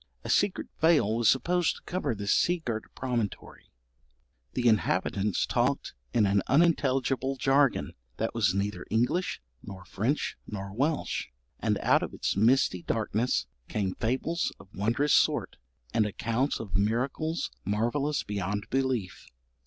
A secret veil was supposed to cover this sea girt promontory; the inhabitants talked in an unintelligible jargon that was neither English, nor French, nor Welsh; and out of its misty darkness came fables of wondrous sort, and accounts of miracles marvellous beyond belief.